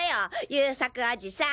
優作おじさん！